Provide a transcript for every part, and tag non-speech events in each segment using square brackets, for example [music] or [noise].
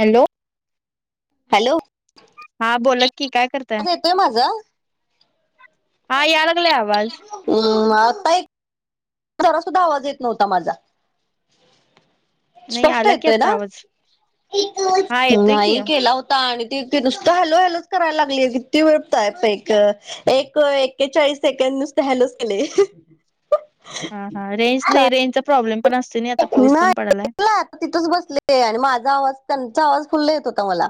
Hello hello हा बोला की काय करताय? आवाज येतोय माझा हा या लागलाय आवाज. हम्म ताई. जरा सुद्धा आवाज येत नव्हता माझा. नाही स्पष्ट आला की येतोय ना? आता आवाज हा येतोय की नाही केला हो- ता आणि त नुसतं हॅलो, हॅलोच करायला लागलीय किती वेळतय पैक- एक- एक्केचाळीस सेकंड नुसते हॅलोस केले. हा, हा, रेंज नाही रेंजचा प्रॉब्लेम पण असते नाही, आता पाऊस पण पडलाय. ऐकलं आता तिथंच बसले आणि माझा आवाज त्यांचा आवाज फुल्ल येत होता मला.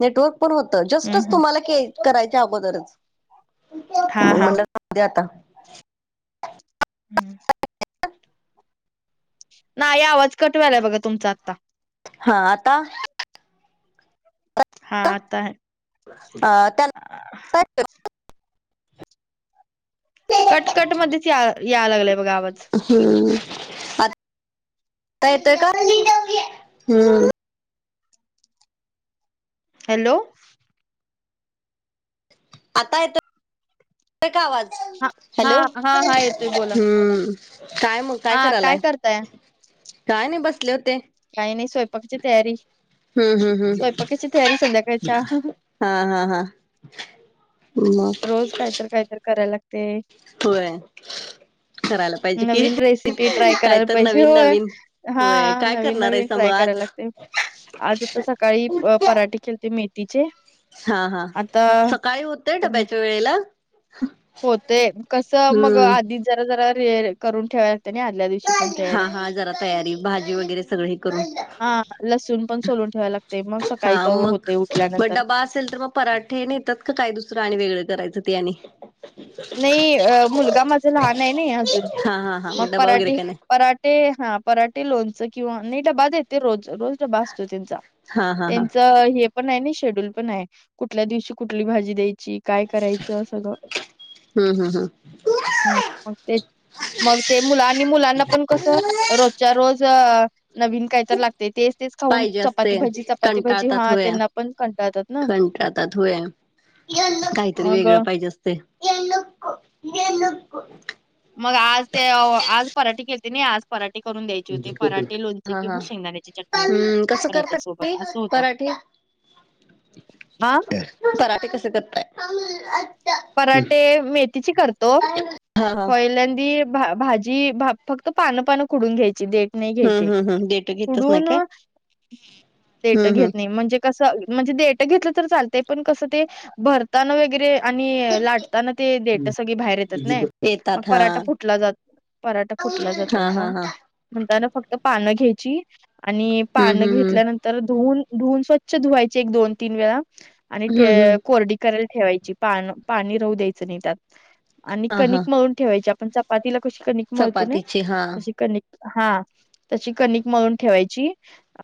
नेटवर्क पण होत, हम्म जस्टच हम्म तुम्हाला के- करायच्या अगोदरच. हा हा अद आता [unintelligible] हम्म [inaudible] नाही, आवाज कट व्हायला आहे बघा तुमचा आत्ता. हा, आता? हा, आता हाय. अ त्या [unintelligible] कट-कट मध्येच या, याय लागलाय बघा आवाज. हम्म.. आता येतोय का? हम्म. हॅलो? आता येतोय- का आवाज? हा हा हॅलो? हा हा येतोय बोला हम्म. काय मग काय हा करायलाय? करताय काय नाही बसले होते. काही नाही स्वयंपाकची तयारी. हं, हं, स्वयंपाकाची तयारी हं, संध्याकाळच्या हा, हा, हा. मग? रोज काहीतर काहीतर कराय लागत. होय. करायला पाहिजे कि नवीन रेसिपी ट्राय काय करायला तर पाहिजे, नवीन होय, नवीन होय हा- काय करणार नवीन-नवीन आहेसा मग ट्राय करायला आज? लागते, आज आता सकाळी पराठे केलते मेथीचे. हा, हा, आता सकाळी होतेय डब्याच्या वेळेला? होतय, कसं मग हम्म. आधीच जरा-जरा करून ठेवायला लागते ना आदल्या दिवशी पण हा तयारी. हा जरा तयारी, भाजी वगैरे सगळी करून- हा, लसूण पण सोलून ठेवायला लागतय, मग हा सकाळी तर मग होते मग उठल्यानंतर. डबा असेल तर मग पराठे नेतात का, काय दुसरं आणि वेगळं करायचं ते आणि? नाही, अ.. मुलगा माझा लहान आहे ना अजून, हा हा हा मग डबा वगैरे पराठे काय नाही. परा- ते हा, पराठे लोणच किंवा मी डबा देते रोज. रोज असतो त्यांचा. हा हा हा त्यांच हे पण आहे ना, शेड्यूल पण आहे, कुठल्या दिवशी कुठली भाजी द्यायची? काय करायचं सगळं. हम्. हम्. हम. हं, मग तेच- मग ते मुलं आणि मुलांना पण कसं रोजच्या रोज नवीन काहीतर लागत- तेच-तेच खाऊन पाहिजे चपाती असते भाजी, चपाती भाजी, कंटाळतात हा होया त्यांना पण कंटाळतात ना? कंटाळतात होया काहीतरी मग वेगळं पाहिजे असतय. मग आज ते आज पराठे केल- आज पराठे करून द्यायचे होते, पराठे लोणचे किंवा शेंगदाण्याची चटणी. ट पराठी [unintelligible] आ.. पराठे कस करताय? पराठे मेथीची करतो, हा हा पहिल्यांदी- भाजी [unintelligible] फक्त पानं पानं खुडून घ्यायची देठ नाही हम्म घ्यायचे, हम्म हम्म डेट घेतच नाही खोडून काय देठ घेत हम्म हम्म नाही म्हणजे - कसं म्हणजे देट घेतलं तर चालतय, पण कसं ते भरताना वगैरे- आणि लाटताना ते देट सगळी बाहेर येतात नाही, मग येतात हा पराठा फुटला जात- पराठा फुटला जातो हा हा मग हा म्हणता ना फक्त. पानं घ्यायची आणि हम्म पानं हम्म घेतल्यानंतर. तर धुन धुवून स्वच्छ धुवायचे एक दोन तीन वेळा आणि हम्म हम्म हम्म कोरडी केयल ठेवायची. पा पाणी राहू द्यायचं नाही त्यात आणि हा हा कणिक मळून ठेवायची आपण चपातीला कशी कनिक. ळतो चपातीची हा त कनिक हा तशी कणिक मळून ठेवायची.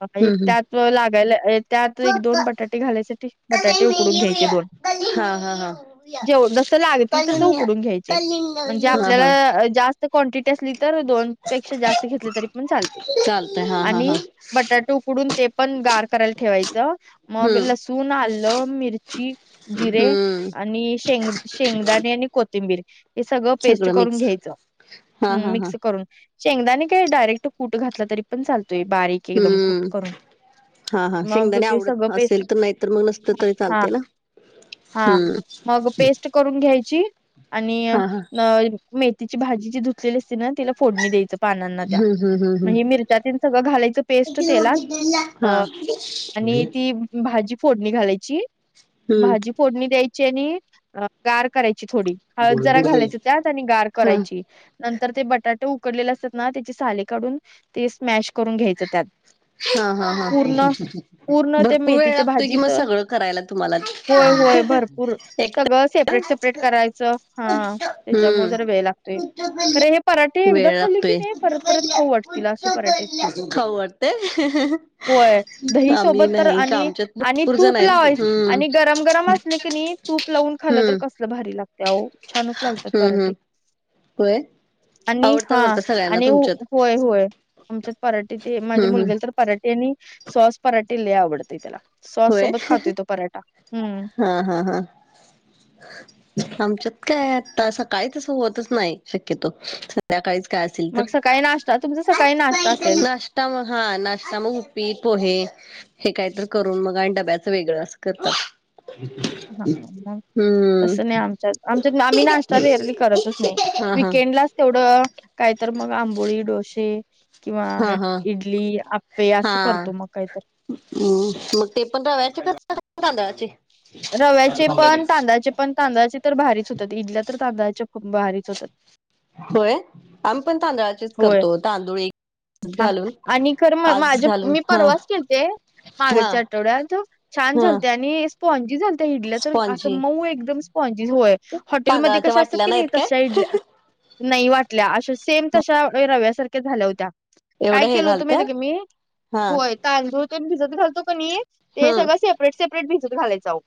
अ हम्म एक हम्म त्यात लागायला त्यात एक दोन पप्पा बटाटे घालायसाठी बटाटे उकडून घ्यायचे दोन. हा हा हा. जेव जस लागतील तस उकडून घ्यायचे म्हणजे कलिंगड हा हा आपल्याला जास्त क्वनटिटी असली. तर दोन पेक्षा जास्त घेतले तरी पण चालतील. लत हा. हा हा आणि बटाटो उकडून ते पण गार करायला ठेवायचं. मग हम्म लसूण आलं मिरची जिरे. हम्म आणि शेंग शेंगदाणे आणि कोथिंबीर. हे सगळं पेस्ट करून घ्यायचं हा ह हा हा मिक्स करून. शेंगदाने काय डायरेक्ट कूट घातला तरी पण चालतोय बारीक एकदम कूट हम्म करून. हा हा मग शेंगदाणे ते आवडत सगळं पेस्ट असेल तर नाही तर मग नसत तरी हा चालते ना हा. हम्म मग पेस्ट करून घ्यायची आणि हा हा मेथीची भाजी जी धुतलेली असते ना तिला. फोडणी द्यायचं पानांना त्या हम्म हम्म हम्म हम्म मग मिरच्याात सगळं घालायचं पेस्ट तेलात. हा अ हम्म आणि ती भाजी फोडणी घालायची भाजी फोडणी द्यायची. नी गार करायची थोडी हळद जरा घालायच त्या त्यानी गार करायची. नंतर ते बटाटे उकडलेले असतात ना त्याची साले काढून ते स्मॅश करून घ्यायचं त्यात. हा हा हा ह पूर्ण ह. पूर्ण त्या भरपूर वेळ मेथीच्या लागतोय कि भाजीत मग सगळं करायला तुम्हाला. होय होय भरपूर सगळं सेपरेट एकट सेपरेट करायचं हा त्याच्यामुळे जरा वेळ लागतोय. हम्म अरे हे पराठे एकदा वेळ खाली की लागतोय. नाही परत परत खाऊ वाटतील असे पराठे. खाऊ वाटतय होय दही आम्ही सोबत तर नाही का आणि आमच्यात आणि भरपूर जण तूप आहेत लावायच. हम्म. आणि गरम गरम असले. क नाही तूप लावून खाल तर हम्म कसलं भारी लागते ह छानच लागतात हम्म हम्म पराठे. होय. आणि हा आवडतात वाटतं सगळ्यांना आणि तुमच्यात होय होय. आमच्यात पराटे ते माझ्या हम्म हम्म. मुलग्याला तर पराटे आणि सॉस पराटे ल आवडतय त्याला. सॉस होय सोबत खातो येतो पराठा हम्म. हा, हा, हा. आमच्यात काय आता सकाळी तस होतच नाही शक्यतो. संध्याकाळीच काय असेल तर मग सकाळी नाश्ता तुमचा सकाळी नाश्ता असेल ता मग हा नाश्ता मग उपी पोहे हे कायत. ून मग आणि डब्याच वेगळं अस करत. हा हा. तसं नाही हम्म आमच्या आमच्या आम्ही नाश्ता एरली करतच नाही हा हा. वकेंडला. तेवढं काय तर मग आंबोळी डोसे. किंवा हा हा इडली, आप्पे असं करतो मग काहीतरी. हम्म, मग ते रव्याचे करता का तांदळाचे? रव्याचे पण तांदळाचे. पण तांदळाची तर भारीच होतात. इडल्या तर तांदळाच्या खूप भारीच होतात. होय. आम्ही पण तांदळाचेच करतो तांदूळ एक हा घालून आणि खर म आज माझे घालून मी हा परवाच केलते. हा मागेच्या आठवड्यात छान झाले हा होते आणि स्पॉनजी झालत्या इडल्या तर असं स्पॉनजी मऊ एकदम स्पॉनजी होय. हॉटेलमध्ये तांदळाच्या कशा असतात वाटल्या की नाही? नाहीत काय तशा इडल्या. नाही वाटल्या अशा सेम तशा रव्यासारख्या झाल्या होत्या. काय एवढ्या हे केलं होतं घालत्या माहित का मी? हा पोहे तांदुळ ते भिजत घालतो का नाही ते हम्म सगळं सेपरेट सेपरेट भिजत घालायचं.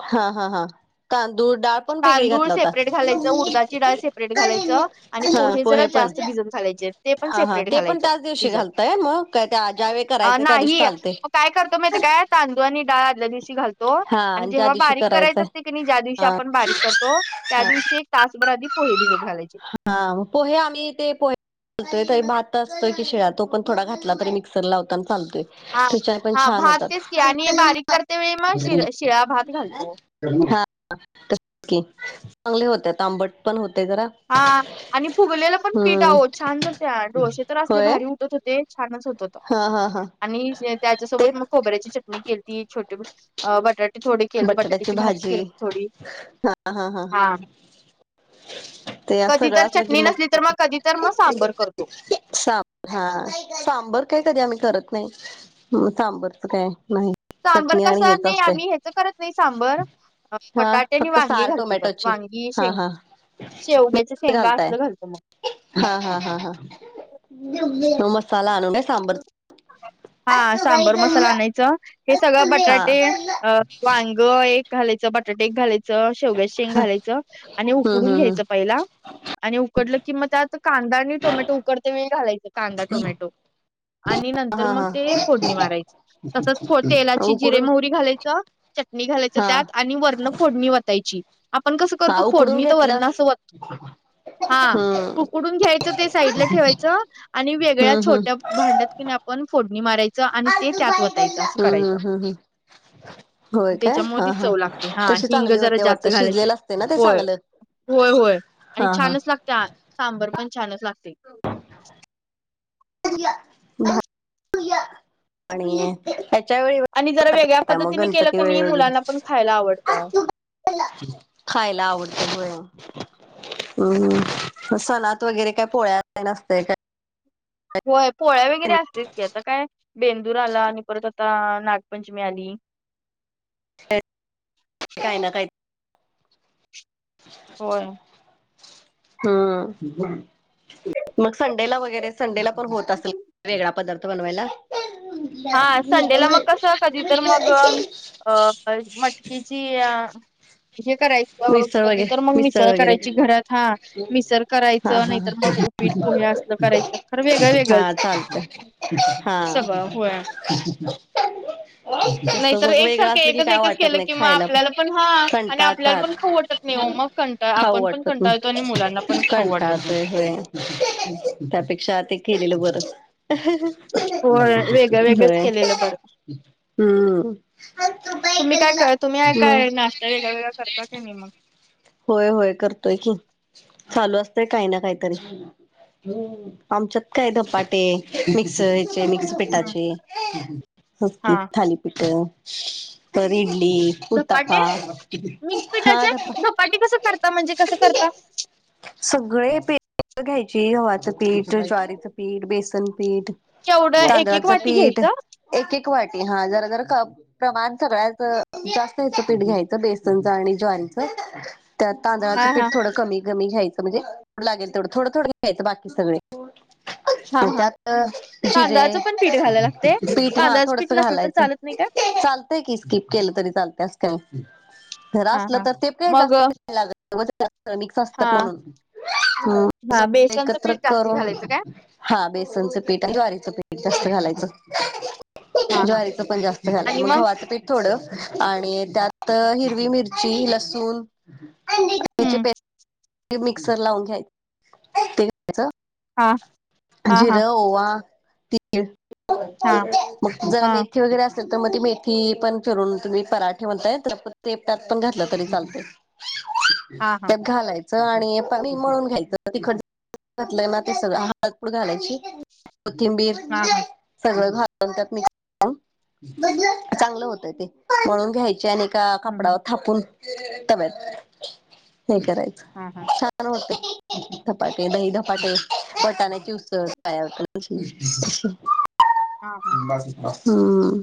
हा. हा. हा. तांदूळ, डाळ पण वेगळी तांदूळ घातला होता. सेपरेट घालायचं, उडदाची डाळ सेपरेट घालायचं आणि हा जरा पोहे पण. जास्त भिजत घालायचे ते पण हा. हा. सेपरेट ते पण घालायचं त्याच दिवशी भिजत. घालताय मग. काय त्या ज्यावेळी अ करायचे त्या दिवशी नाही चालत ते. मग काय करतो माहिती काय तांदूळ आणि दाळ आदल्या दिवशी घालतो. आणि ज्या जेव्हा दिवशी बारीक करायच करायचंय असते की नाही ज्या दिवशी हा आपण बारीक करतो त्या दिवशी तासभर आधी पोहे भिजत घालायचे. हा पोहे आम्ही ते पोहे कधी कधी भात असतो की शीळा तो पण थोडा घातला तरी मिक्सर लावताना चालतोय. हा त्याच्या पण हा छान भात होतात असतेच की आणि बारीक करते वेळी मग शि शिळा भात घालतो. ह की चांगले होते आंबट पण होते जरा. हा आणि फुगलेला पण पीठ आहो हम्म छान झालते. डोसे तर असले होय भारी उठत होते. छानच होत होते. हा. हा. हा. आणि त्याच्यासोबत तेच मग खोबऱ्याची चटणी केलती, छोटे बटाटे थोडे केलंते बटाट्याची भाजी केलती थोडी. हा. [inaudible] कधी तर असलं की चटणी नसली तर, मग कधी तर मग सांबर करतो. सांब हा सांबर काय कधी आम्ही करत नाही. सांबरच काय नाही. सांबर चटणी कस आणि हेच नाही. असतंय आम्ही हच करत नाही सांबर. हा बटाटे आणि फक्त वांगी सार घालतो त्यात टोमॅटोची वांगी हा शेंग हा शेवग्याच्या मी शेंगा घालताय असलं घालतो मग हा. हा. हा. हा. मसाला आणू काय सांबरचा? [inaudible] हा सांबर मसाला आणायच. हे सगळं हा बटाटे अ वांग एक घालायचं, बटाटे एक घालायचं शेवग्याची शेंग घालायचं आणि हम्म हम्म उकडून हम्म घ्यायचं पहिला आणि उकडलं की मग त्यात कांदा आणि टोमॅटो उकडते वेळ घालायचं कांदा टोमॅटो. आणि नंतर हा मग हा ते फोडणी मारायची. तसंच तेलाची जिरे, उकडून मोहरी घालायचं. चटणी घालायचं हा त्यात आणि वरण फोडणी वतायची. आपण कसं हा करतो उकडून फोडणी तर वरण घेतलास असं वत हा हम्म उकडून घ्यायचं ते साईडला ठेवायचं आणि वेगळ्या हम्म हम्म छोट्या भांड्यात कि नाही आपण फोडणी मारायचं आणि ते त्यात वतायचं असं हम्म हम्म करायचं. हम्म हम्म होय काय त्याच्या मुळे हा ती हा चव लागते. हा तशी हिंग चांगली जरा होते जास्त वाटत घालायचं. शिजलेलं असते ना ते होय. चांगलं होय. होय. आणि हा हा छानच लागते. सांबर पण छानच लागते. [inaudible] आणि त्याच्या वेळी आणि जरा वेगळ्या मग पद्धतीने केलं गणपती क नाही वेळी मुलांना पण खायला आवडते अहो वगैरे खायला आवडतं म्ह हम्म सणात वगैरे काय पोळ्या तेन असते. होय पोळ्या वगैरे असतेच की आता काय बेंदूर आला आणि परत आता नागपंचमी आली. काय ना काही होय. हम् मग संडेला वगैरे संडेला पण होत असेल वेगळा पदार्थ बनवायला. हा संडेला मग कस कधी तर मग अ मटकी जीया. हे करायचं मिसळ कधी वगैरे तर मग मिसळ वगैरे करायची घरात हा. मिसळ करायच हा हा ह नाहीतर मग उपीट पोह्या असलं करायचं खरं वेगळं हा वेगळंच चालतय. हा. सगळं होय. [inaudible] नाहीतर सतत वेगळं एकसारखं असल की एकच काय एकच वाटत केलं नाही की मग खायला प आपल्याला पण हा आणि कंटा आपल्याला खात. पण खाऊ वाटत नाही ओ मग कंटाळ खाऊ आपण पण वाटत नही. कंटाळतो आणि मुलांना पण खाऊ वाटत नाही. कंटाळतंय होय. त्यापेक्षा ते केलेलं बरं. होय वेगळं [inaudible] वेगळंच होय. केलेलं बरं. हम्म. तुम्ही काय क तुम्ही म काय नाश्ता वेगळा वेगळा करता काय नई मग. होय होय करतोय की चालू असतय काही ना काहीतरी आमच्यात काय धपाटे, मिक्स ह्याचे मिक्स प हम्म डाचे, हा. थालीपीठ तर इडली धपाटे उत्तपा हा दप्पा धपाटी कसं करता म्हणजे? कसं करता? सगळे पे घ्यायची गव्हाचं पीठ, ज्वारीचं पीठ, बेसन पीठ केवढं एक एक तांदळाचं वाटी पीठ. घ्यायचं एक एक वाटी हा. जरा जरा कप प्रमाण सगळ्याच जास्त याचं पीठ घ्यायचं बेसनचं आणि ज्वारीच. त्यात तांदळांच हा हा पीठ थोडं कमी कमी घ्यायच म्हणजे लागेल तेवढं थोडं थोडं घ्यायचं बाकी सगळे. [inaudible] हा हा. त्यात जिरे तांदळाचं पण पीठ घालायला लागतय. पीठ हा तांदळाचं पीठ नसलं तर चाल नाही का? स्कीप केल तरी चालतय अस काय जरा हा असलं हा तर ते काय जा मग नही लागत [unintelligible] मिक्स हा असत्यात म्हणून हम्म. हा सगळं बेसनचं एकत्र पीठ जास्ती करून घालायचं काय हा. बेसनचं पीठ आणि ज्वारीचं पीठ जास्त घालायचं. हा हा ज्वारीचं पण जास्त घालायच मग गव्हाच पीट थोड आणि त्यात हिरवी मिरची, लसूण हम्म मिक्सर लावून घ्याय ते च हा हा हा जिरं, ओवा हा जरा हा मेथी वगैरे अस तर मग ती मेथी पण फिरून तुम्ही पराठे म्हणताय तर तेप [unintelligible] त्यात पण घातलं तरी चालतय. [unintelligible] त्यात घालाय. आणि कणीक मळून घ्यायचं तिखट घातलंय ना ते सगळं हळदपूड घालायची कोथिंबीर हा हा सगळं घालून त्यात मिक्स करून चांगलं होतय ते मळून घ्यायची आणि एका हम्म हम्म कापडावर थापून तव्यात हे करायचं. हा हा. छान होतय धपाटे. दही धपाटे वटाण्याची उसळ तयार हा हा [inaudible] हम्म.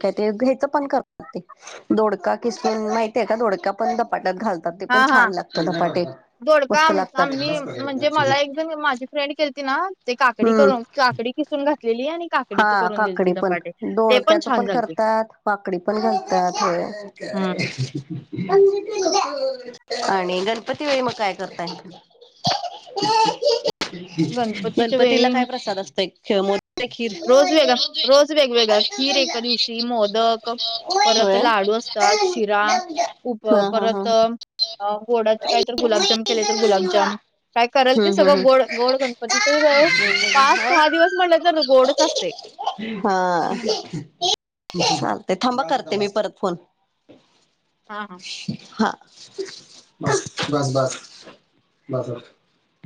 काय ते ह्याच पण करतात ते दोडका किसून माहितीये का दोडका पण धपाट्यात घालतात. ते पण हा हा छान लागतं धपाटे. दोडका मस्त आम लागतात आम्ही म्हणजे मला एकजण माझी फ्रेंड केलीती ना ते काकडी हम्म करून काकडी किसून घातलेली आणि काकडीच हा. करून दिलती काकडी पण धपाटे ते दोडक्याच छान पण झालते करतात काकडी पण घालतात. आणि गणपती वेळी मग काय करताय? गणपतीच्या गणपतीला वेळी काय प्रसाद असतोय? मो रोज वेग, रोज वेगवेगळा, खीर एका दिवशी, मोदक परत होय. लाडू अस तात शिरा उप हा हा परत. हा. अ गोडाचे काही तर गुलाबजाम केले तर गुलाबजाम, काय कराल ते हम्म हम्म सगळं हम्म. गोड, गोड. पण तीच ये बये पाच सहा, दिवस म्हटलं तर. गोडच असते [inaudible] हा चालते, थांबा करते मी परत फोन. हा हा! हा! बास बास बास.